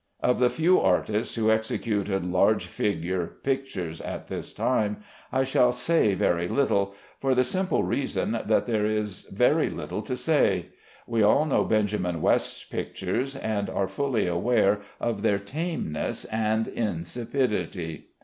Of the few artists who executed large figure pictures at this time I shall say very little, for the simple reason that there is very little to say. We all know Benjamin West's pictures, and are fully aware of their tameness and insipidity.